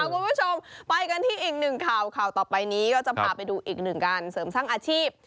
คุณผู้ชมไปกันที่อีกหนึ่งข่าวข่าวต่อไปนี้ก็จะพาไปดูอีกหนึ่งการเสริมสร้างอาชีพ